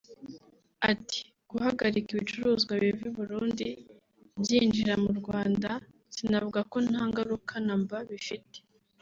Ati “Guhagarika ibicuruzwa biva i Burundi byinjira mu Rwanda sinavuga ko nta ngaruka na mba bifite